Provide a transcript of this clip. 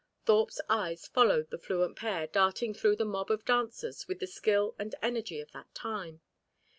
Thorpe's eyes followed the fluent pair darting through the mob of dancers with the skill and energy of that time.